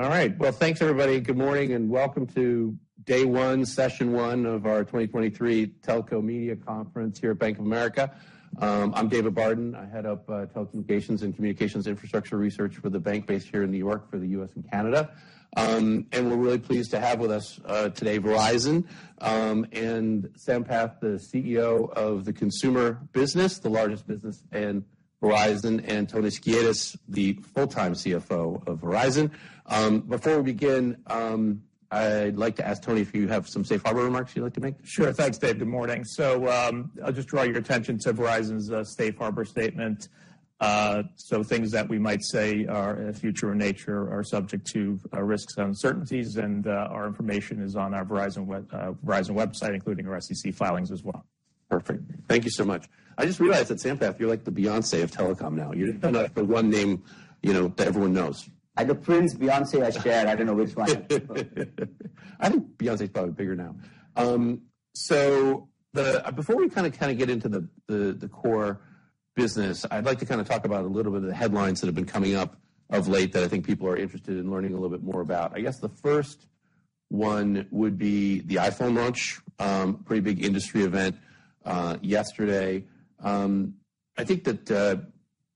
All right. Well, thanks, everybody. Good morning, and welcome to day one, session one of our 2023 Telco Media Conference here at Bank of America. I'm David Barden. I head up, telecommunications and communications infrastructure research for the bank based here in New York for the U.S. and Canada. We're really pleased to have with us, today Verizon, and Sampath, the CEO of the consumer business, the largest business in Verizon, and Tony Skiadas, the full-time CFO of Verizon. Before we begin, I'd like to ask Tony if you have some safe harbor remarks you'd like to make? Sure. Thanks, Dave. Good morning. So, I'll just draw your attention to Verizon's safe harbor statement. Things that we might say are future in nature are subject to risks and uncertainties, and our information is on our Verizon website, including our SEC filings as well. Perfect. Thank you so much. I just realized that, Sampath, you're like the Beyoncé of telecom now. You're the one name, you know, that everyone knows. Either Prince, Beyoncé, I shared, I don't know which one. I think Beyoncé is probably bigger now. So before we kind of get into the core business, I'd like to kind of talk about a little bit of the headlines that have been coming up of late that I think people are interested in learning a little bit more about. I guess the first one would be the iPhone launch. Pretty big industry event, yesterday. I think that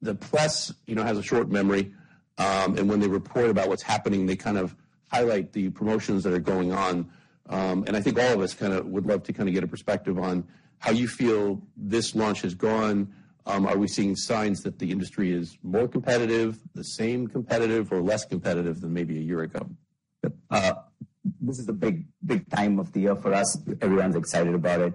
the press, you know, has a short memory, and when they report about what's happening, they kind of highlight the promotions that are going on. I think all of us kind of would love to kind of get a perspective on how you feel this launch has gone. Are we seeing signs that the industry is more competitive, the same competitive, or less competitive than maybe a year ago? This is a big, big time of the year for us. Everyone's excited about it.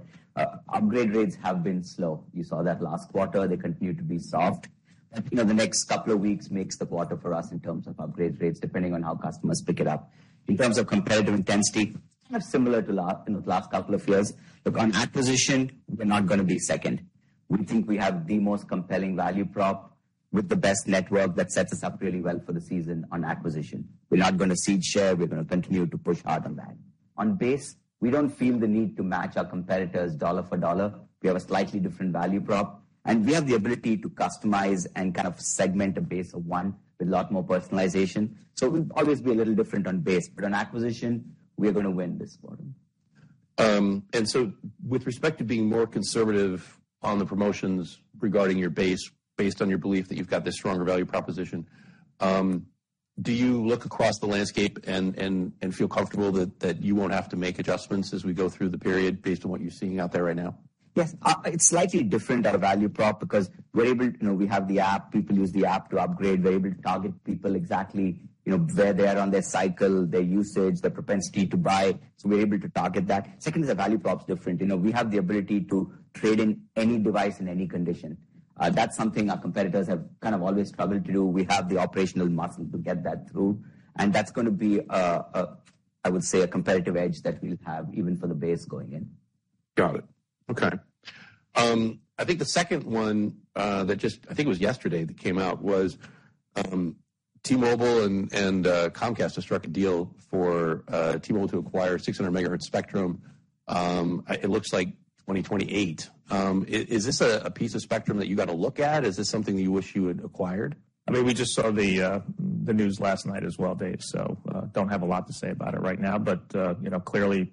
Upgrade rates have been slow. You saw that last quarter. They continue to be soft. But, you know, the next couple of weeks makes the quarter for us in terms of upgrade rates, depending on how customers pick it up. In terms of competitive intensity, kind of similar to last, you know, the last couple of years. Look, on acquisition, we're not gonna be second. We think we have the most compelling value prop with the best network that sets us up really well for the season on acquisition. We're not gonna cede share. We're gonna continue to push hard on that. On base, we don't feel the need to match our competitors dollar for dollar. We have a slightly different value prop, and we have the ability to customize and kind of segment a base of one with a lot more personalization. So we'll always be a little different on base, but on acquisition, we are gonna win this quarter. And so with respect to being more conservative on the promotions regarding your base, based on your belief that you've got this stronger value proposition, do you look across the landscape and feel comfortable that you won't have to make adjustments as we go through the period based on what you're seeing out there right now? Yes. It's slightly different, our value prop, because we're able... You know, we have the app. People use the app to upgrade. We're able to target people exactly, you know, where they are on their cycle, their usage, their propensity to buy. So we're able to target that. Second, the value prop's different. You know, we have the ability to trade in any device in any condition. That's something our competitors have kind of always struggled to do. We have the operational muscle to get that through, and that's gonna be, I would say, a competitive edge that we'll have even for the base going in. Got it. Okay. I think the second one that just, I think it was yesterday, that came out was T-Mobile and Comcast have struck a deal for T-Mobile to acquire a 600 MHz spectrum. It looks like 2028. Is this a piece of spectrum that you got to look at? Is this something you wish you had acquired? I mean, we just saw the news last night as well, Dave, so, don't have a lot to say about it right now. But, you know, clearly,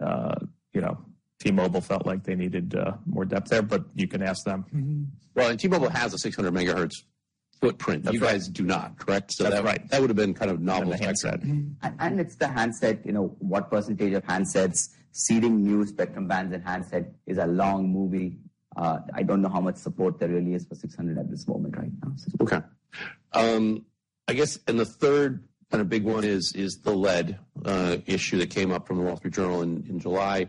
you know, T-Mobile felt like they needed more depth there, but you can ask them. Mm-hmm. Well, and T-Mobile has a 600 megahertz footprint. That's right. You guys do not, correct? That's right. So that would have been kind of novel headset. It's the handset, you know, what percentage of handsets, seeding new spectrum bands and handset is a long movie. I don't know how much support there really is for 600 at this moment right now. Okay. I guess, and the third, kind of, big one is the lead issue that came up from The Wall Street Journal in July.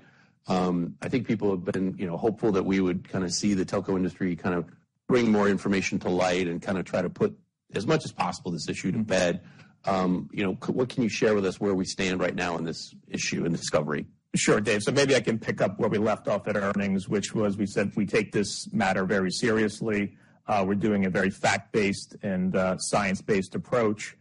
I think people have been, you know, hopeful that we would kind of see the telco industry kind of bring more information to light and kind of try to put as much as possible this issue to bed. You know, what can you share with us where we stand right now on this issue and the discovery? Sure, Dave. So maybe I can pick up where we left off at earnings, which was we said we take this matter very seriously. We're doing a very fact-based and science-based approach,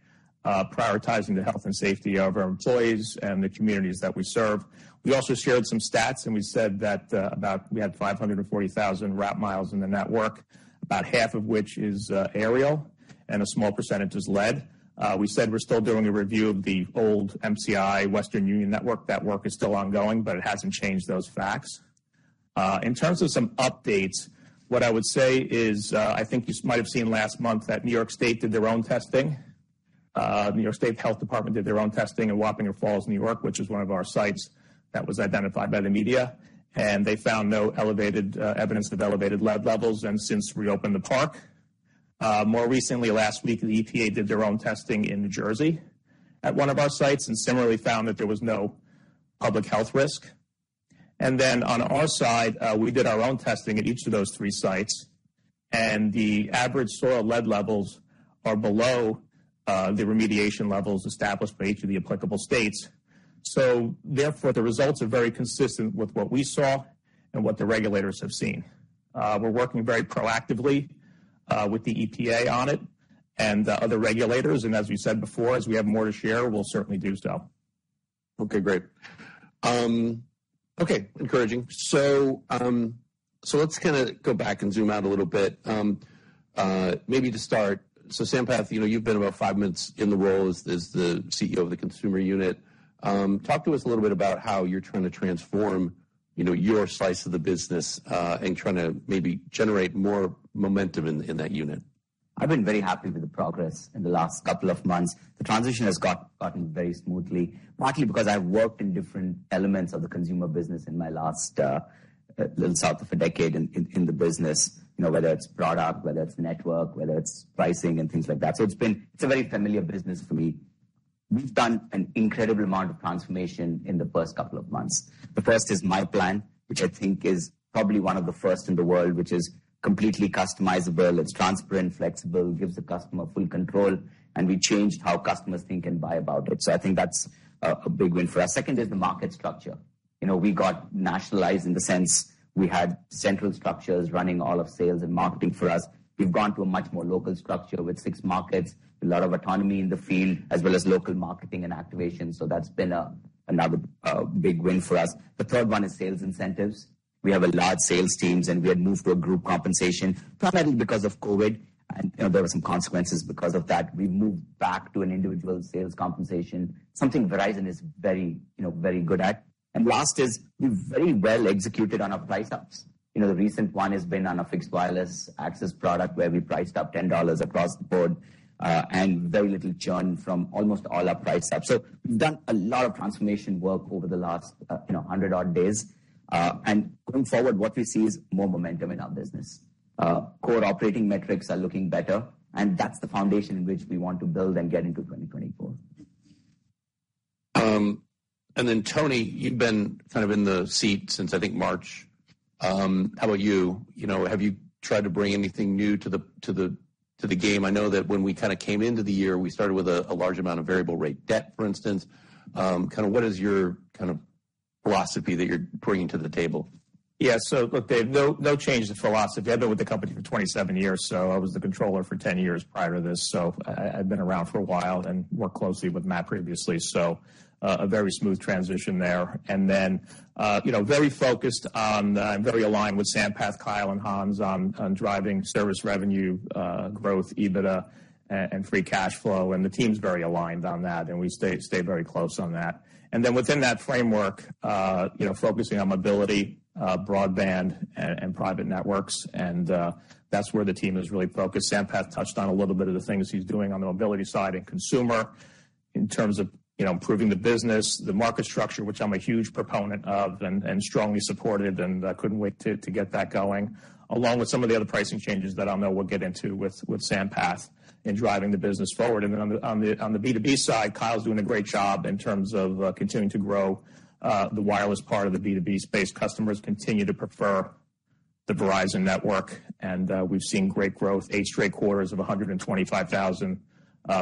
prioritizing the health and safety of our employees and the communities that we serve. We also shared some stats, and we said that about we had 540,000 route miles in the network, about half of which is aerial, and a small percentage is lead. We said we're still doing a review of the old MCI Western Union network. That work is still ongoing, but it hasn't changed those facts. In terms of some updates, what I would say is I think you might have seen last month that New York State did their own testing. New York State Health Department did their own testing in Wappingers Falls, New York, which is one of our sites that was identified by the media, and they found no elevated evidence of elevated lead levels, and since reopened the park. More recently, last week, the EPA did their own testing in New Jersey at one of our sites and similarly found that there was no public health risk. And then on our side, we did our own testing at each of those three sites, and the average soil lead levels are below the remediation levels established by each of the applicable states. So therefore, the results are very consistent with what we saw and what the regulators have seen. We're working very proactively with the EPA on it and other regulators, and as we said before, as we have more to share, we'll certainly do so.... Okay, great. Okay, encouraging. So, let's kinda go back and zoom out a little bit. Maybe to start, so Sampath, you know, you've been about five months in the role as, as the CEO of the consumer unit. Talk to us a little bit about how you're trying to transform, you know, your slice of the business, and trying to maybe generate more momentum in, in that unit. I've been very happy with the progress in the last couple of months. The transition has gotten very smoothly, partly because I've worked in different elements of the consumer business in my last little south of a decade in the business, you know, whether it's product, whether it's network, whether it's pricing and things like that. So it's been—it's a very familiar business for me. We've done an incredible amount of transformation in the first couple of months. The first is myPlan, which I think is probably one of the first in the world, which is completely customizable, it's transparent, flexible, gives the customer full control, and we changed how customers think and buy about it. So I think that's a big win for us. Second is the market structure. You know, we got nationalized in the sense we had central structures running all of sales and marketing for us. We've gone to a much more local structure with six markets, a lot of autonomy in the field, as well as local marketing and activation, so that's been another big win for us. The third one is sales incentives. We have a large sales teams, and we had moved to a group compensation, partly because of COVID, and, you know, there were some consequences because of that. We moved back to an individual sales compensation, something Verizon is very, you know, very good at. And last is, we very well executed on our price ups. You know, the recent one has been on a fixed wireless access product, where we priced up $10 across the board, and very little churn from almost all our price ups. We've done a lot of transformation work over the last, you know, 100 odd days. And going forward, what we see is more momentum in our business. Core operating metrics are looking better, and that's the foundation in which we want to build and get into 2024. And then, Tony, you've been kind of in the seat since, I think, March. How about you? You know, have you tried to bring anything new to the game? I know that when we kind of came into the year, we started with a large amount of variable rate debt, for instance. Kind of what is your kind of philosophy that you're bringing to the table? Yeah. So look, Dave, no change in philosophy. I've been with the company for 27 years, so I was the controller for 10 years prior to this. So I've been around for a while and worked closely with Matt previously, so a very smooth transition there. And then, you know, very focused on, I'm very aligned with Sampath, Kyle and Hans on driving service revenue growth, EBITDA, and free cash flow, and the team's very aligned on that, and we stay very close on that. And then within that framework, you know, focusing on mobility, broadband and private networks, and that's where the team is really focused. Sampath touched on a little bit of the things he's doing on the mobility side and consumer in terms of, you know, improving the business, the market structure, which I'm a huge proponent of and strongly supported, and I couldn't wait to get that going, along with some of the other pricing changes that I know we'll get into with Sampath in driving the business forward. And then on the B2B side, Kyle's doing a great job in terms of continuing to grow the wireless part of the B2B space. Customers continue to prefer the Verizon network, and we've seen great growth, eight straight quarters of 125,000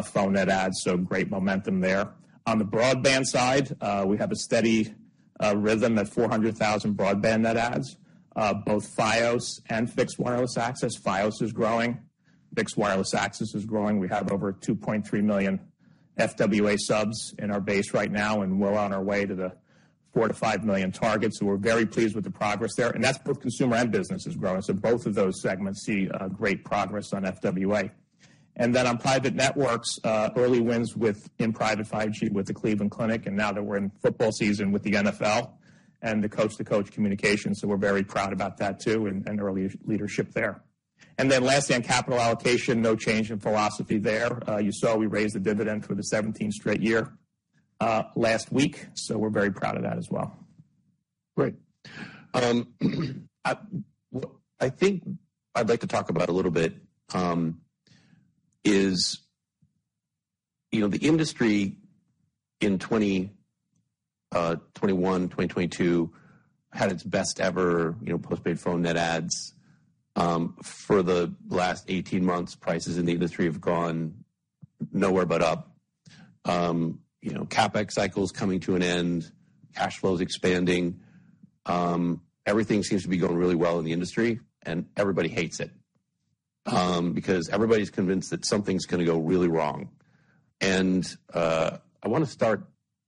phone net adds, so great momentum there. On the broadband side, we have a steady rhythm at 400,000 broadband net adds. Both Fios and fixed wireless access. Fios is growing, fixed wireless access is growing. We have over 2.3 million FWA subs in our base right now, and we're on our way to the 4-5 million targets, so we're very pleased with the progress there. And that's both consumer and businesses growing, so both of those segments see great progress on FWA. And then on private networks, early wins with in private 5G with the Cleveland Clinic, and now that we're in football season with the NFL and the coach-to-coach communication. So we're very proud about that, too, and early leadership there. And then lastly, on capital allocation, no change in philosophy there. You saw we raised the dividend for the 17th straight year last week, so we're very proud of that as well. Great. What I think I'd like to talk about a little bit is, you know, the industry in 2021, 2022, had its best ever, you know, postpaid phone net adds. For the last 18 months, prices in the industry have gone nowhere but up. You know, CapEx cycle is coming to an end, cash flow is expanding, everything seems to be going really well in the industry, and everybody hates it because everybody's convinced that something's gonna go really wrong. And I want to start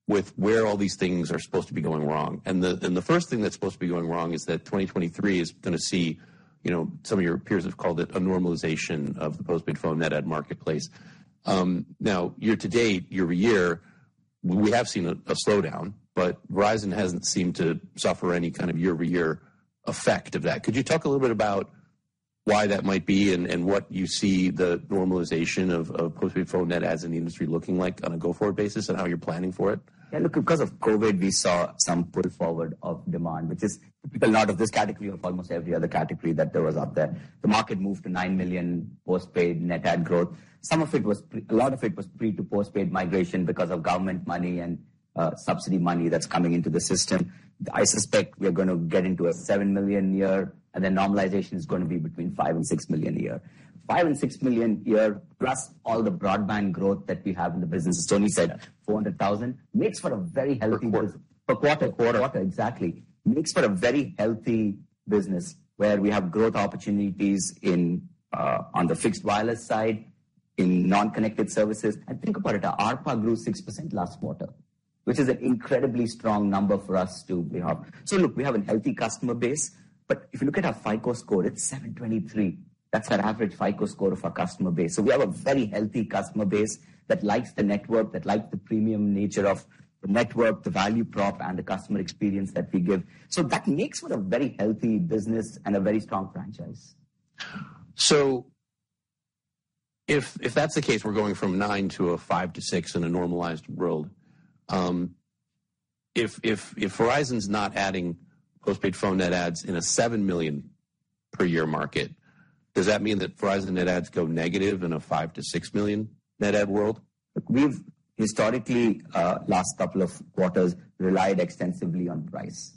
with where all these things are supposed to be going wrong. And the first thing that's supposed to be going wrong is that 2023 is gonna see, you know, some of your peers have called it a normalization of the postpaid phone net add marketplace. Now, year to date, year over year, we have seen a slowdown, but Verizon hasn't seemed to suffer any kind of year-over-year effect of that. Could you talk a little bit about why that might be and what you see the normalization of postpaid phone net adds in the industry looking like on a go-forward basis and how you're planning for it? Yeah, look, because of COVID, we saw some pull forward of demand, which is typical, not of this category, of almost every other category that there was out there. The market moved to 9 million postpaid net add growth. Some of it was pre to postpaid migration because of government money and subsidy money that's coming into the system. I suspect we are gonna get into a 7 million year, and then normalization is gonna be between 5 and 6 million a year. 5 and 6 million year, plus all the broadband growth that we have in the business, as Tony said, 400,000, makes for a very healthy- Per quarter. Per quarter. Quarter. Quarter, exactly. Makes for a very healthy business, where we have growth opportunities in on the fixed wireless side in non-connected services, and think about it, our ARPA grew 6% last quarter, which is an incredibly strong number for us to be have. So look, we have a healthy customer base, but if you look at our FICO score, it's 723. That's our average FICO score of our customer base. So we have a very healthy customer base that likes the network, that likes the premium nature of the network, the value prop, and the customer experience that we give. So that makes for a very healthy business and a very strong franchise. So if that's the case, we're going from 9 to a 5-6 in a normalized world. If Verizon's not adding postpaid phone net adds in a 7 million per year market, does that mean that Verizon net adds go negative in a 5-6 million net add world? Look, we've historically, last couple of quarters, relied extensively on price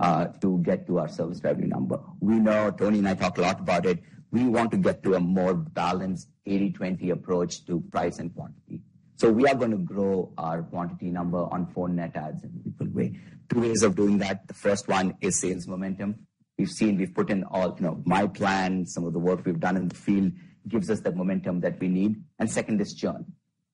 to get to our service revenue number. We know, Tony and I talk a lot about it, we want to get to a more balanced 80/20 approach to price and quantity. So we are gonna grow our quantity number on phone net adds in a different way. Two ways of doing that. The first one is sales momentum. We've seen, we've put in all, you know, myPlan, some of the work we've done in the field gives us the momentum that we need. And second, is churn.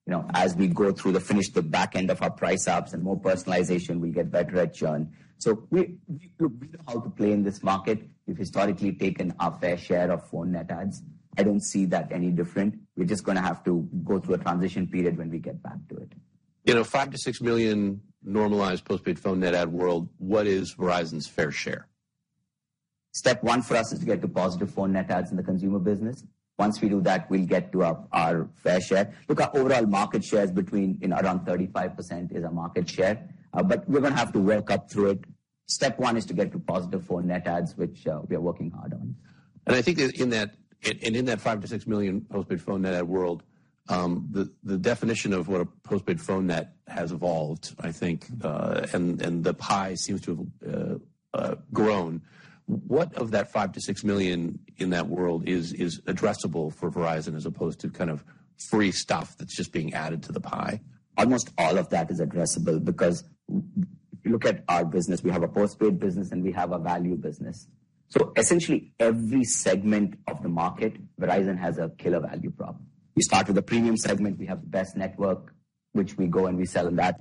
You know, as we go through the finish, the back end of our price ups and more personalization, we get better at churn. So we know how to play in this market. We've historically taken our fair share of phone net adds. I don't see that any different. We're just gonna have to go through a transition period when we get back to it. You know, 5-6 million normalized postpaid phone net add world, what is Verizon's fair share? Step one for us is to get to positive phone net adds in the consumer business. Once we do that, we'll get to our fair share. Look, our overall market share is between, you know, around 35% is our market share, but we're gonna have to work up through it. Step one is to get to positive phone net adds, which we are working hard on. And I think that in that 5-6 million postpaid phone net add world, the definition of what a postpaid phone net has evolved, I think, and the pie seems to have grown. What of that 5-6 million in that world is addressable for Verizon, as opposed to kind of free stuff that's just being added to the pie? Almost all of that is addressable, because if you look at our business, we have a postpaid business and we have a value business. So essentially, every segment of the market, Verizon has a killer value prop. We start with the premium segment. We have the best network, which we go and we sell in that.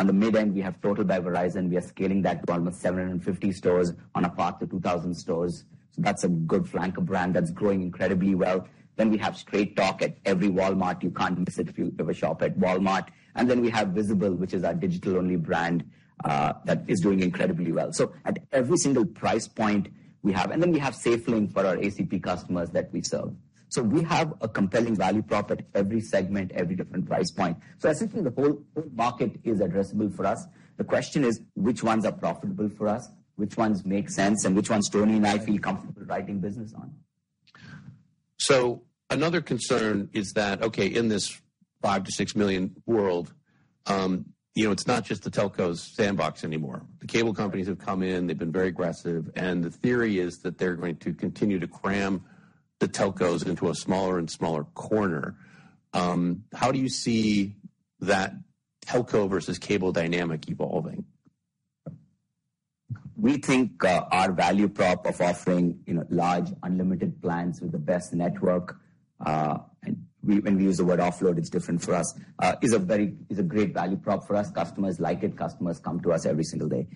On the mid-end, we have Total by Verizon. We are scaling that to almost 750 stores on a path to 2,000 stores. So that's a good flanker brand that's growing incredibly well. Then we have Straight Talk at every Walmart. You can't miss it if you ever shop at Walmart. And then we have Visible, which is our digital-only brand, that is doing incredibly well. So at every single price point, we have... And then we have SafeLink for our ACP customers that we serve. So we have a compelling value prop at every segment, every different price point. So essentially, the whole, whole market is addressable for us. The question is, which ones are profitable for us? Which ones make sense, and which ones Tony and I feel comfortable writing business on? So another concern is that, okay, in this 5-6 million world, you know, it's not just the telcos' sandbox anymore. The cable companies have come in, they've been very aggressive, and the theory is that they're going to continue to cram the telcos into a smaller and smaller corner. How do you see that telco versus cable dynamic evolving? We think our value prop of offering, you know, large, unlimited plans with the best network, and we, when we use the word offload, it's different for us, is a great value prop for us. Customers like it. Customers come to us every single day.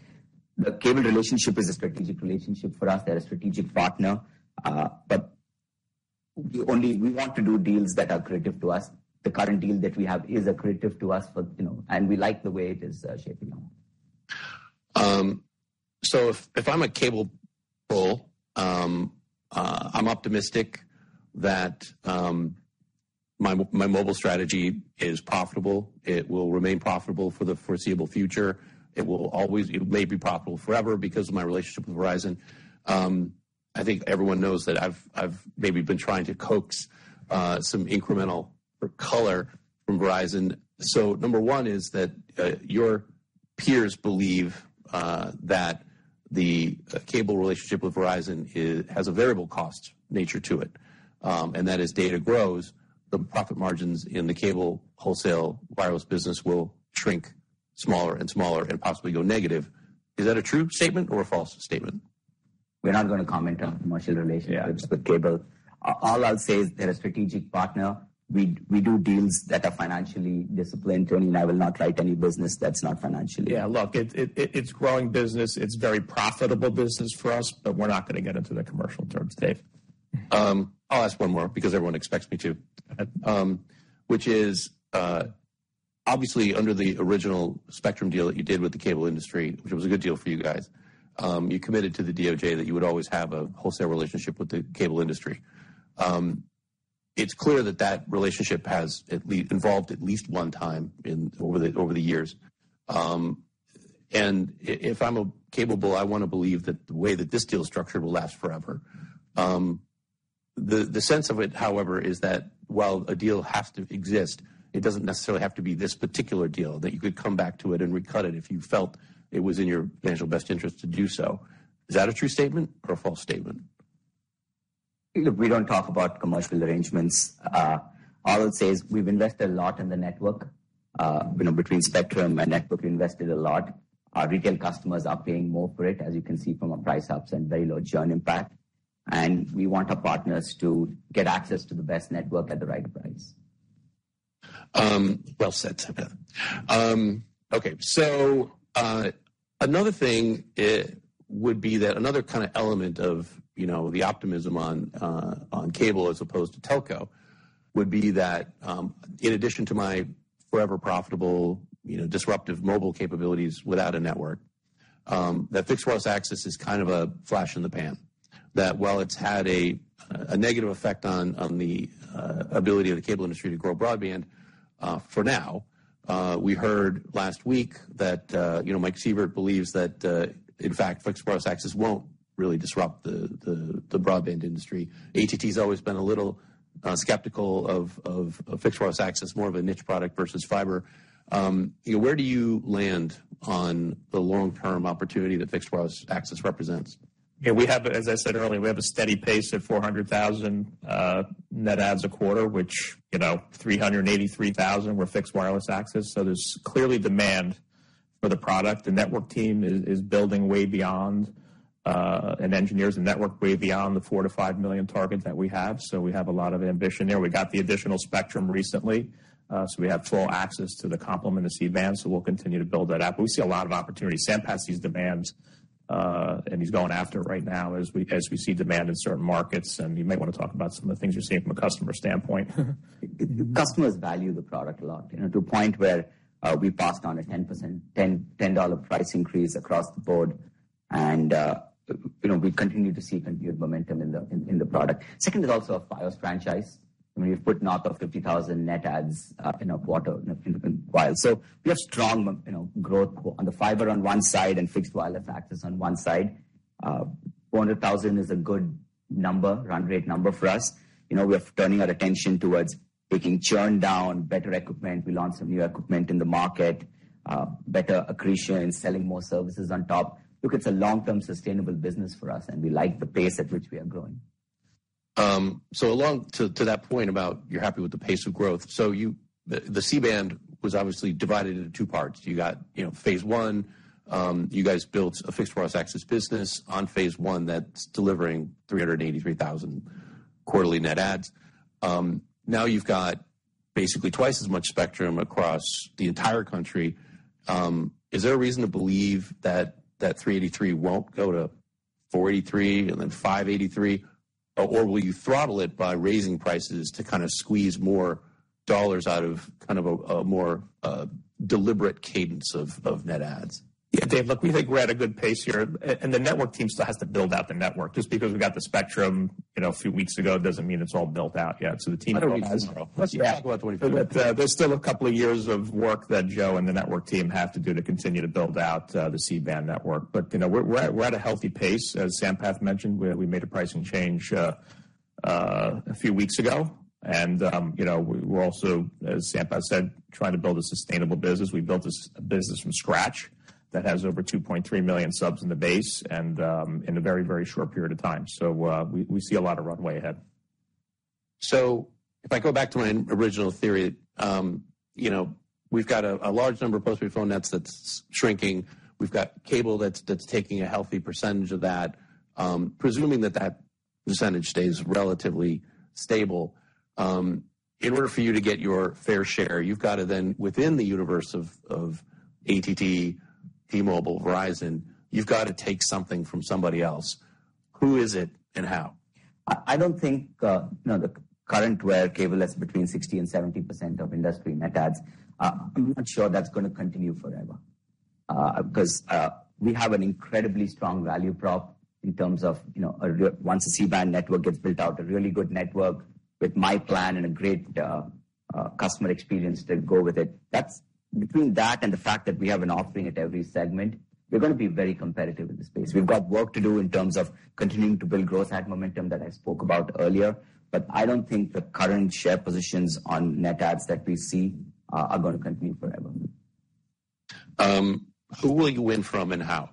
The cable relationship is a strategic relationship for us. They're a strategic partner, but we only, we want to do deals that are creative to us. The current deal that we have is accretive to us for, you know, and we like the way it is, shaping up. So if, if I'm a cable bull, I'm optimistic that my mobile strategy is profitable. It will remain profitable for the foreseeable future. It will always... It may be profitable forever because of my relationship with Verizon. I think everyone knows that I've, I've maybe been trying to coax some incremental color from Verizon. So number one is that your peers believe that the cable relationship with Verizon is, has a variable cost nature to it, and that as data grows, the profit margins in the cable wholesale wireless business will shrink smaller and smaller and possibly go negative. Is that a true statement or a false statement? We're not gonna comment on commercial relationships with cable. Yeah. All I'll say is they're a strategic partner. We do deals that are financially disciplined. Tony and I will not write any business that's not financially- Yeah, look, it's growing business. It's very profitable business for us, but we're not gonna get into the commercial terms, Dave. I'll ask one more because everyone expects me to. Which is, obviously under the original Spectrum deal that you did with the cable industry, which was a good deal for you guys, you committed to the DOJ that you would always have a wholesale relationship with the cable industry. It's clear that that relationship has at least involved at least one time over the years. And if I'm a cable bull, I want to believe that the way that this deal is structured will last forever. The sense of it, however, is that while a deal has to exist, it doesn't necessarily have to be this particular deal, that you could come back to it and recut it if you felt it was in your financial best interest to do so. Is that a true statement or a false statement? Look, we don't talk about commercial arrangements. All I would say is we've invested a lot in the network... you know, between Spectrum and my network, we invested a lot. Our retail customers are paying more for it, as you can see from our price ups and very low churn impact, and we want our partners to get access to the best network at the right price. Well said, Sampath. Okay, so, another thing, it would be that another kind of element of, you know, the optimism on, on cable as opposed to telco would be that, in addition to my forever profitable, you know, disruptive mobile capabilities without a network, that fixed wireless access is kind of a flash in the pan. That while it's had a negative effect on, on the, ability of the cable industry to grow broadband, for now, we heard last week that, you know, Mike Sievert believes that, in fact, fixed wireless access won't really disrupt the broadband industry. AT&T's always been a little, skeptical of fixed wireless access, more of a niche product versus fiber. You know, where do you land on the long-term opportunity that fixed wireless access represents? Yeah, we have a, as I said earlier, we have a steady pace of 400,000 net adds a quarter, which, you know, 383,000 were fixed wireless access, so there's clearly demand for the product. The network team is building way beyond, and engineers and network way beyond the 4-5 million target that we have, so we have a lot of ambition there. We got the additional spectrum recently, so we have total access to the complement of C-band, so we'll continue to build that out. But we see a lot of opportunity. Sampath sees demands, and he's going after it right now as we see demand in certain markets, and you may want to talk about some of the things you're seeing from a customer standpoint. The customers value the product a lot, you know, to a point where we passed on a 10%–$10 price increase across the board, and you know, we continue to see continued momentum in the, in, in the product. Second is also a Fios franchise. I mean, we've put north of 50,000 net adds in a quarter, in a while. So we have strong, you know, growth on the fiber on one side and fixed wireless access on one side. Four hundred thousand is a good number, run rate number for us. You know, we are turning our attention towards taking churn down, better equipment. We launched some new equipment in the market, better accretion and selling more services on top. Look, it's a long-term, sustainable business for us, and we like the pace at which we are growing. So along to that point about you're happy with the pace of growth, so you—the C-band was obviously divided into two parts. You got, you know, phase one, you guys built a fixed wireless access business on phase one that's delivering 383,000 quarterly net adds. Now you've got basically twice as much spectrum across the entire country. Is there a reason to believe that three eighty-three won't go to four eighty-three and then five eighty-three? Or will you throttle it by raising prices to kind of squeeze more dollars out of kind of a more deliberate cadence of net adds? Yeah, Dave, look, we think we're at a good pace here, and the network team still has to build out the network. Just because we got the spectrum, you know, a few weeks ago, doesn't mean it's all built out yet. So the team- Let's talk about 2022. There's still a couple of years of work that Joe and the network team have to do to continue to build out the C-band network. But, you know, we're at a healthy pace. As Sampath mentioned, we made a pricing change a few weeks ago, and you know, we're also, as Sampath said, trying to build a sustainable business. We built this business from scratch that has over 2.3 million subs in the base and in a very, very short period of time. So we see a lot of runway ahead. So if I go back to my original theory, you know, we've got a large number of postpaid phone net adds that's shrinking. We've got cable that's taking a healthy percentage of that. Presuming that that percentage stays relatively stable, in order for you to get your fair share, you've got to then, within the universe of AT&T, T-Mobile, Verizon, you've got to take something from somebody else. Who is it, and how? I don't think, you know, the current where cable is between 60% and 70% of industry net adds, I'm not sure that's going to continue forever. Because we have an incredibly strong value prop in terms of, you know, once the C-band network gets built out, a really good network with myPlan and a great customer experience to go with it. That's... Between that and the fact that we have an offering at every segment, we're going to be very competitive in this space. We've got work to do in terms of continuing to build growth, add momentum that I spoke about earlier, but I don't think the current share positions on net adds that we see are going to continue forever. Who will you win from and how?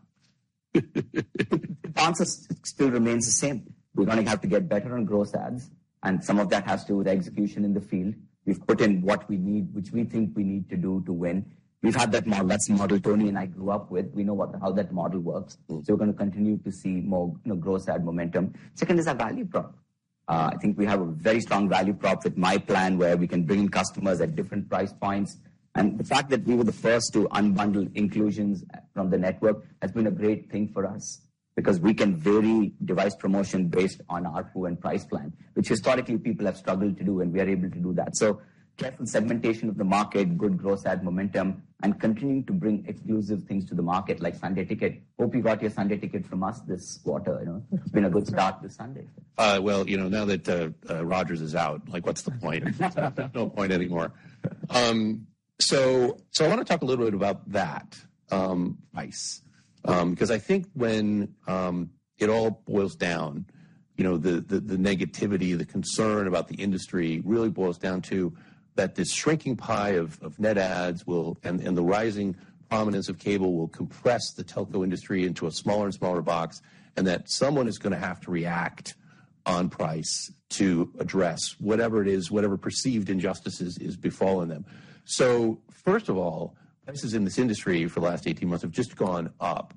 The answer still remains the same. We're going to have to get better on growth adds, and some of that has to do with execution in the field. We've put in what we need, which we think we need to do to win. We've had that model, that's the model Tony and I grew up with. We know what, how that model works. Mm-hmm. So we're going to continue to see more, you know, growth, add momentum. Second is our value prop. I think we have a very strong value prop with myPlan, where we can bring in customers at different price points. And the fact that we were the first to unbundle inclusions from the network has been a great thing for us because we can vary device promotion based on ARPU and price plan, which historically people have struggled to do, and we are able to do that. So careful segmentation of the market, good growth, add momentum, and continuing to bring exclusive things to the market, like Sunday Ticket. Hope you got your Sunday Ticket from us this quarter, you know? It's been a good start this Sunday. Well, you know, now that Rodgers is out, like, what's the point? There's no point anymore. So I want to talk a little bit about that price. Because I think when it all boils down, you know, the negativity, the concern about the industry really boils down to that this shrinking pie of net adds will, and the rising prominence of cable will compress the telco industry into a smaller and smaller box, and that someone is going to have to react on price to address whatever it is, whatever perceived injustices is befalling them. So first of all, prices in this industry for the last 18 months have just gone up.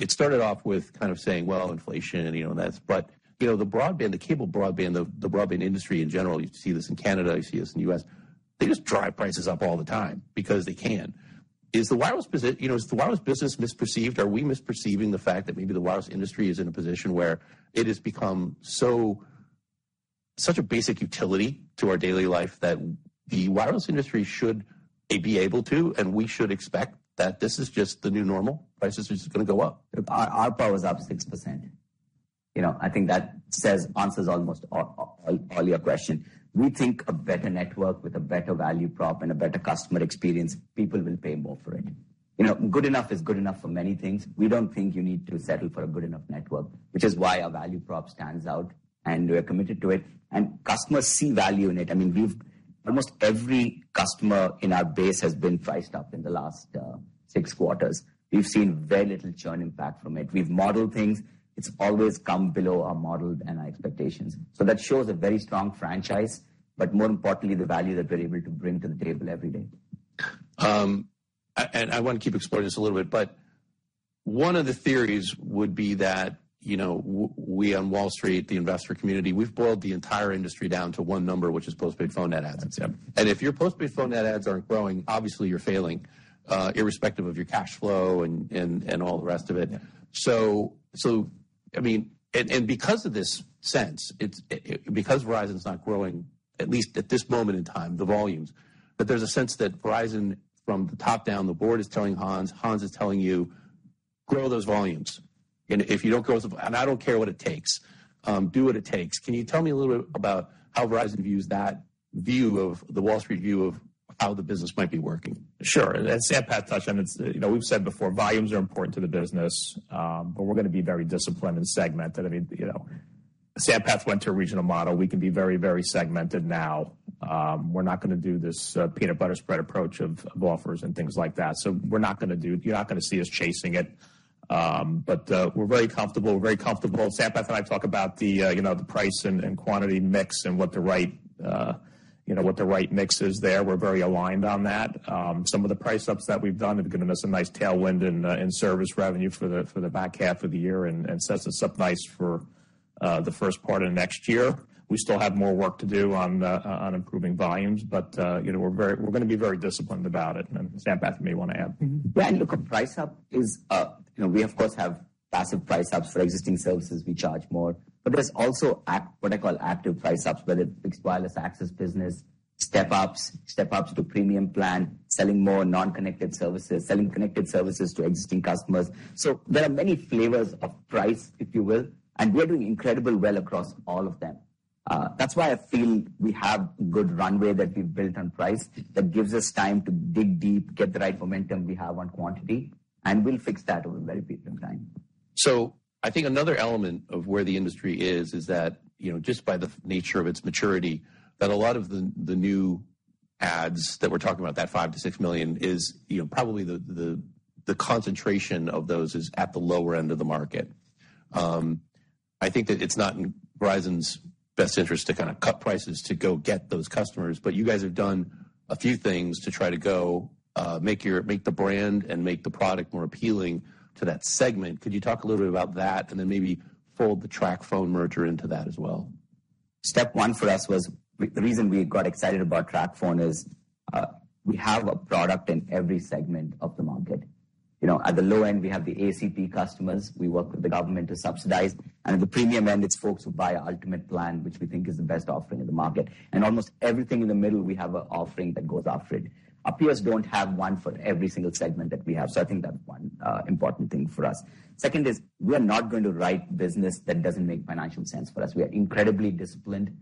It started off with kind of saying, well, inflation and, you know, and that, but, you know, the broadband, the cable broadband, the broadband industry in general, you see this in Canada, you see this in the U.S. They just drive prices up all the time because they can. Is the wireless position—you know, is the wireless business misperceived? Are we misperceiving the fact that maybe the wireless industry is in a position where it has become so, such a basic utility to our daily life, that the wireless industry should be able to, and we should expect that this is just the new normal, prices are just gonna go up? Our power is up 6%. You know, I think that says answers almost all your question. We think a better network with a better value prop and a better customer experience, people will pay more for it. You know, good enough is good enough for many things. We don't think you need to settle for a good enough network, which is why our value prop stands out, and we are committed to it, and customers see value in it. I mean, we've almost every customer in our base has been priced up in the last six quarters. We've seen very little churn impact from it. We've modeled things. It's always come below our model and our expectations. So that shows a very strong franchise, but more importantly, the value that we're able to bring to the table every day. I want to keep exploring this a little bit, but one of the theories would be that, you know, we on Wall Street, the investor community, we've boiled the entire industry down to one number, which is postpaid phone net adds. Yep. If your postpaid phone net adds aren't growing, obviously you're failing, irrespective of your cash flow and all the rest of it. Yeah. I mean, because of this sense, it's... Because Verizon's not growing, at least at this moment in time, the volumes, that there's a sense that Verizon, from the top down, the board is telling Hans, Hans is telling you, "Grow those volumes. And if you don't grow, and I don't care what it takes, do what it takes." Can you tell me a little bit about how Verizon views that view of the Wall Street view of how the business might be working? Sure. As Sampath touched on, it's, you know, we've said before, volumes are important to the business, but we're gonna be very disciplined and segmented. I mean, you know, Sampath went to a regional model. We can be very, very segmented now. We're not gonna do this peanut butter spread approach of offers and things like that. So we're not gonna do... You're not gonna see us chasing it. But we're very comfortable, we're very comfortable. Sampath and I talk about the, you know, the price and quantity mix and what the right, you know, what the right mix is there. We're very aligned on that. Some of the price ups that we've done are gonna be some nice tailwind in service revenue for the back half of the year and sets us up nice for the first part of next year. We still have more work to do on improving volumes, but you know, we're gonna be very disciplined about it, and Sampath may want to add. Yeah, look, a price up is, you know, we, of course, have passive price ups for existing services, we charge more. But there's also what I call active price ups, whether it's wireless access business, step ups, step ups to premium plan, selling more non-connected services, selling connected services to existing customers. So there are many flavors of price, if you will, and we are doing incredibly well across all of them. That's why I feel we have good runway that we've built on price, that gives us time to dig deep, get the right momentum we have on quantity, and we'll fix that over a very period of time. So I think another element of where the industry is, is that, you know, just by the nature of its maturity, that a lot of the new adds that we're talking about, that 5-6 million, is, you know, probably the concentration of those is at the lower end of the market. I think that it's not in Verizon's best interest to kinda cut prices to go get those customers, but you guys have done a few things to try to go make the brand and make the product more appealing to that segment. Could you talk a little bit about that, and then maybe fold the TracFone merger into that as well? Step one for us was, the reason we got excited about TracFone is, we have a product in every segment of the market. You know, at the low end, we have the ACP customers. We work with the government to subsidize. And at the premium end, it's folks who buy our ultimate plan, which we think is the best offering in the market. And almost everything in the middle, we have an offering that goes after it. Our peers don't have one for every single segment that we have, so I think that's one, important thing for us. Second is, we are not going to write business that doesn't make financial sense for us. We are incredibly disciplined.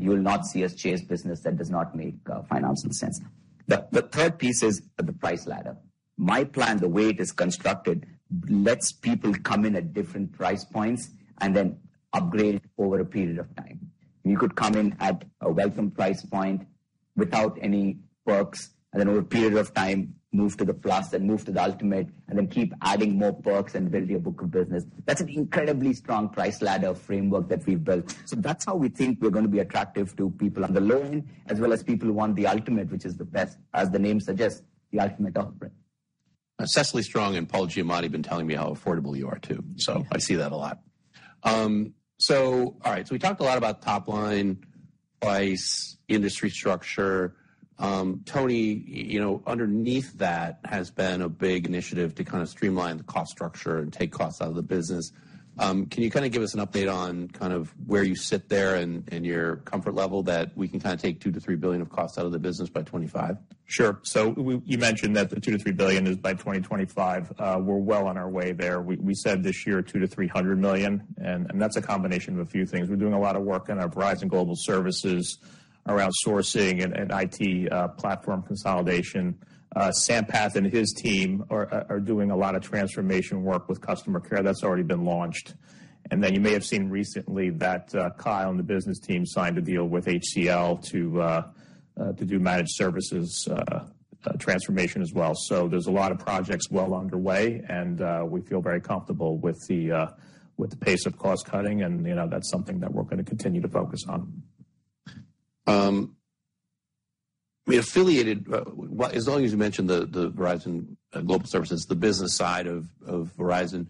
You will not see us chase business that does not make, financial sense. The third piece is the price ladder. myPlan, the way it is constructed, lets people come in at different price points and then upgrade over a period of time. You could come in at a welcome price point without any perks, and then over a period of time, move to the plus and move to the ultimate, and then keep adding more perks and building your book of business. That's an incredibly strong price ladder framework that we've built. So that's how we think we're gonna be attractive to people on the low end, as well as people who want the ultimate, which is the best, as the name suggests, the ultimate offering. Cecily Strong and Paul Giamatti have been telling me how affordable you are, too. So I see that a lot. So all right, so we talked a lot about top line, price, industry structure. Tony, you know, underneath that has been a big initiative to kind of streamline the cost structure and take costs out of the business. Can you kind of give us an update on kind of where you sit there and your comfort level that we can kind of take $2 billion-$3 billion of costs out of the business by 2025? Sure. So we... You mentioned that the $2-$3 billion is by 2025. We're well on our way there. We said this year, $200-$300 million, and that's a combination of a few things. We're doing a lot of work on our Verizon Global Services around sourcing and IT platform consolidation. Sampath and his team are doing a lot of transformation work with customer care. That's already been launched. And then you may have seen recently that Kyle and the business team signed a deal with HCL to do managed services transformation as well. So there's a lot of projects well underway, and we feel very comfortable with the pace of cost cutting, and you know, that's something that we're gonna continue to focus on. We affiliated, as long as you mentioned the Verizon Global Services, the business side of Verizon.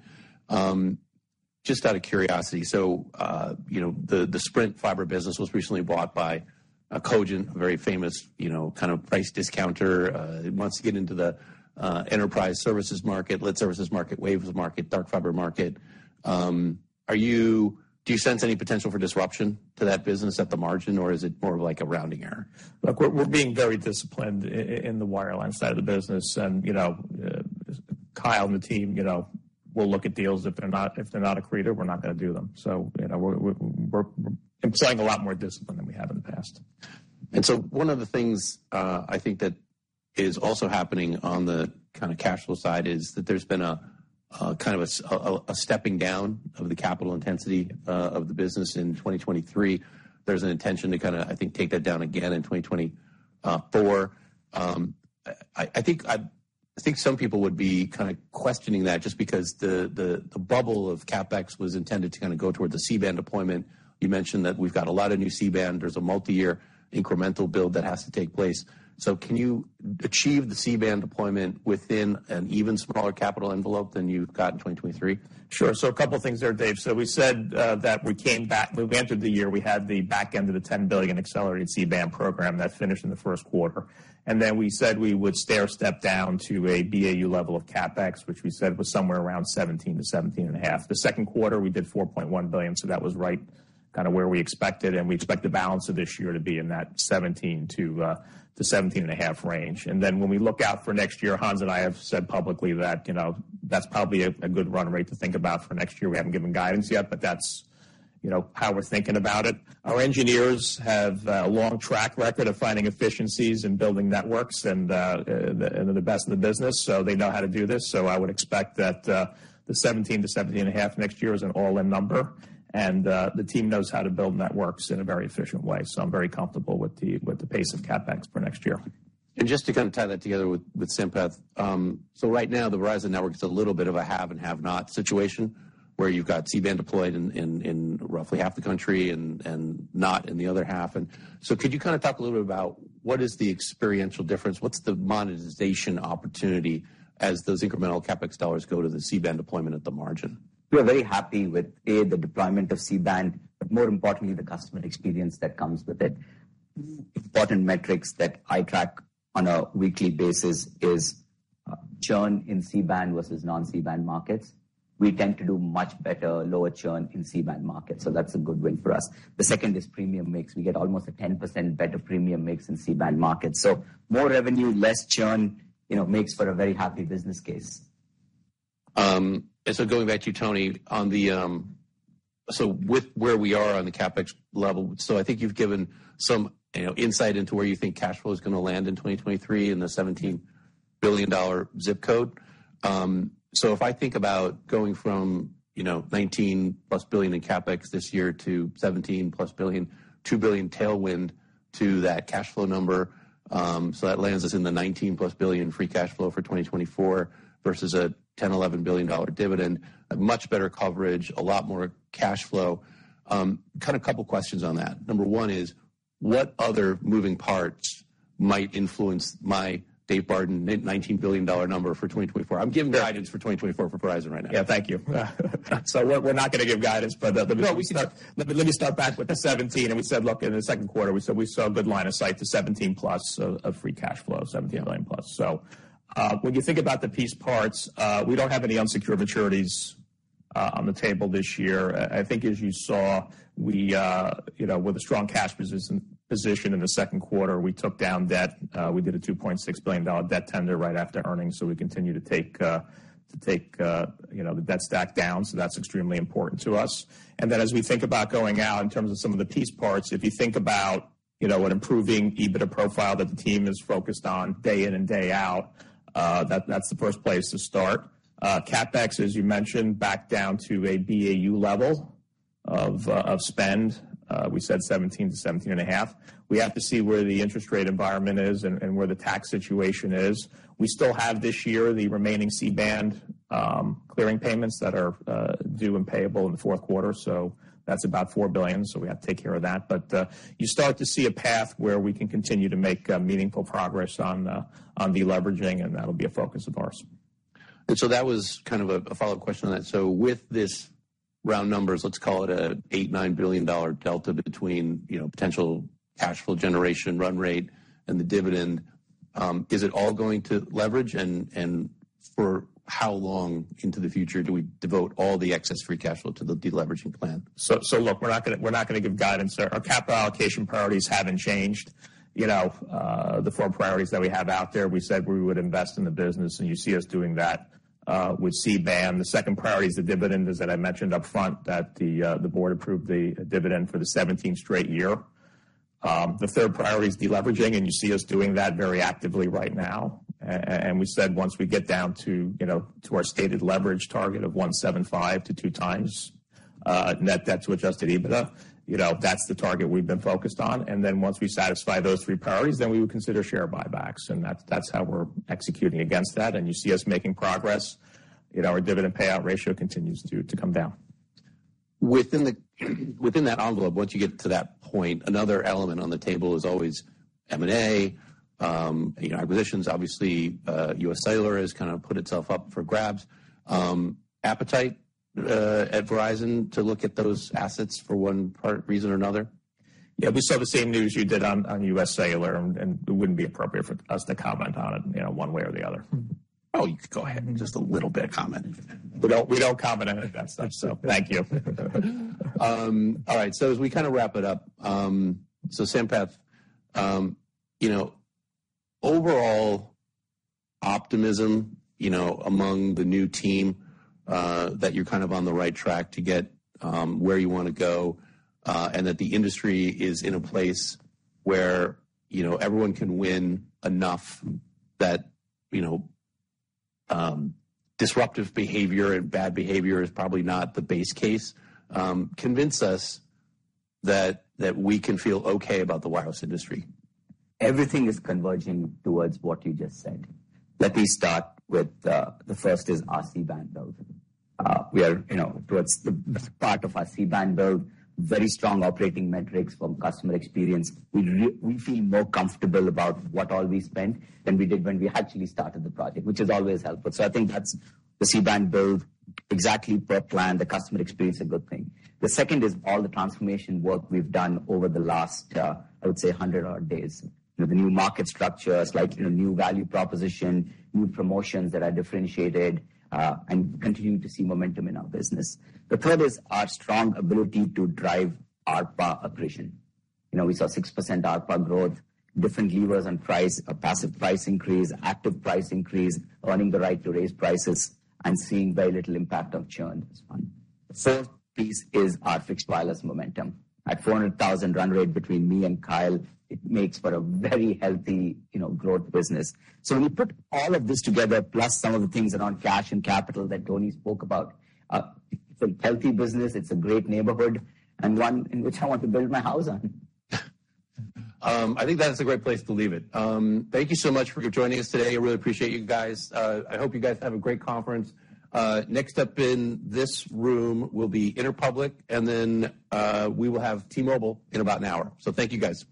Just out of curiosity, so, you know, the Sprint fiber business was recently bought by Cogent, a very famous, you know, kind of price discounter, it wants to get into the enterprise services market, lit services market, waves market, dark fiber market. Do you sense any potential for disruption to that business at the margin, or is it more of like a rounding error? Look, we're being very disciplined in the wireline side of the business, and, you know, Kyle and the team, you know, will look at deals. If they're not accretive, we're not gonna do them. So, you know, we're employing a lot more discipline than we have in the past. And so one of the things, I think that is also happening on the kind of cash flow side is that there's been a kind of a stepping down of the capital intensity, of the business in 2023. There's an intention to kinda, I think, take that down again in 2024. I think some people would be kind of questioning that just because the bubble of CapEx was intended to kinda go toward the C-band deployment. You mentioned that we've got a lot of new C-band. There's a multiyear incremental build that has to take place. So can you achieve the C-band deployment within an even smaller capital envelope than you've got in 2023? Sure. So a couple things there, Dave. So we said that we came back—when we entered the year, we had the back end of the $10 billion accelerated C-band program. That finished in the Q1. And then we said we would stairstep down to a BAU level of CapEx, which we said was somewhere around $17 billion-$17.5 billion. The Q2, we did $4.1 billion, so that was right kind of where we expected, and we expect the balance of this year to be in that $17 billion-$17.5 billion range. And then when we look out for next year, Hans and I have said publicly that, you know, that's probably a good run rate to think about for next year. We haven't given guidance yet, but that's, you know, how we're thinking about it. </transcript Our engineers have a long track record of finding efficiencies and building networks and they're the best in the business, so they know how to do this. So I would expect that the $17-$17.5 next year is an all-in number, and the team knows how to build networks in a very efficient way. So I'm very comfortable with the, with the pace of CapEx for next year. Just to kind of tie that together with Sampath. So right now, the Verizon network is a little bit of a have and have not situation, where you've got C-band deployed in roughly half the country and not in the other half. So could you kind of talk a little bit about what is the experiential difference? What's the monetization opportunity as those incremental CapEx dollars go to the C-band deployment at the margin? We are very happy with the deployment of C-band, but more importantly, the customer experience that comes with it. Important metrics that I track on a weekly basis is churn in C-band versus non-C-band markets. We tend to do much better, lower churn in C-band markets, so that's a good win for us. The second is premium mix. We get almost a 10% better premium mix in C-band markets. So more revenue, less churn, you know, makes for a very happy business case. And so going back to you, Tony, on the... So with where we are on the CapEx level, so I think you've given some, you know, insight into where you think cash flow is gonna land in 2023, in the $17 billion zip code. So if I think about going from, you know, 19+ billion in CapEx this year to 17+ billion, $2 billion tailwind to that cash flow number, so that lands us in the 19+ billion free cash flow for 2024 versus a $10-$11 billion dividend, a much better coverage, a lot more cash flow. Kind of a couple questions on that. Number one is: What other moving parts might influence my David Barden $19 billion number for 2024? I'm giving guidance for 2024 for Verizon right now. Yeah, thank you. So we're not gonna give guidance, but- No, we can- Let me start back with the 17, and we said, look, in the Q2, we said we saw a good line of sight to 17 plus of free cash flow, $17 billion+. So, when you think about the piece parts, we don't have any unsecured maturities on the table this year. I think as you saw, you know, with a strong cash position in the Q2, we took down debt. We did a $2.6 billion debt tender right after earnings, so we continue to take to take, you know, the debt stack down. So that's extremely important to us. And then, as we think about going out in terms of some of the piece parts, if you think about, you know, an improving EBITDA profile that the team is focused on day in and day out, that, that's the first place to start. CapEx, as you mentioned, back down to a BAU level of of spend. We said 17-17.5. We have to see where the interest rate environment is and where the tax situation is. We still have this year, the remaining C-band clearing payments that are due and payable in the Q4, so that's about $4 billion, so we have to take care of that. But, you start to see a path where we can continue to make meaningful progress on on deleveraging, and that'll be a focus of ours. So that was kind of a follow-up question on that. So with this round numbers, let's call it an $8-$9 billion delta between, you know, potential cash flow generation run rate and the dividend, is it all going to leverage? And for how long into the future do we devote all the excess free cash flow to the deleveraging plan? So, look, we're not gonna give guidance there. Our capital allocation priorities haven't changed. You know, the four priorities that we have out there, we said we would invest in the business, and you see us doing that with C-band. The second priority is the dividend, as that I mentioned upfront, that the board approved the dividend for the seventeenth straight year. The third priority is deleveraging, and you see us doing that very actively right now. And we said once we get down to, you know, to our stated leverage target of 1.75-2 times net debt to adjusted EBITDA, you know, that's the target we've been focused on. And then once we satisfy those three priorities, then we would consider share buybacks, and that's, that's how we're executing against that, and you see us making progress, and our dividend payout ratio continues to, to come down.... Within that envelope, once you get to that point, another element on the table is always M&A, you know, acquisitions. Obviously, U.S. Cellular has kind of put itself up for grabs. Appetite at Verizon to look at those assets for one reason or another? Yeah, we saw the same news you did on U.S. Cellular, and it wouldn't be appropriate for us to comment on it, you know, one way or the other. Oh, you could go ahead. Just a little bit of comment. We don't comment on any of that stuff, so thank you. All right, so as we kinda wrap it up, so Sampath, you know, overall optimism, you know, among the new team that you're kind of on the right track to get where you wanna go, and that the industry is in a place where, you know, everyone can win enough that, you know, disruptive behavior and bad behavior is probably not the base case, convince us that, that we can feel okay about the wireless industry. Everything is converging towards what you just said. Let me start with the first is our C-band build. We are, you know, towards the best part of our C-band build, very strong operating metrics from customer experience. We feel more comfortable about what all we spent than we did when we actually started the project, which is always helpful. So I think that's the C-band build, exactly per plan, the customer experience, a good thing. The second is all the transformation work we've done over the last, I would say, 100 odd days. With the new market structures, like, you know, new value proposition, new promotions that are differentiated, and continuing to see momentum in our business. The third is our strong ability to drive ARPA accretion. You know, we saw 6% ARPA growth, different levers on price, a passive price increase, active price increase, earning the right to raise prices, and seeing very little impact on churn as well. The fourth piece is our fixed wireless momentum. At 400,000 run rate between me and Kyle, it makes for a very healthy, you know, growth business. So when you put all of this together, plus some of the things around cash and capital that Tony spoke about, it's a healthy business, it's a great neighborhood, and one in which I want to build my house on. I think that's a great place to leave it. Thank you so much for joining us today. I really appreciate you guys. I hope you guys have a great conference. Next up in this room will be Interpublic, and then, we will have T-Mobile in about an hour. So thank you, guys. Thank you.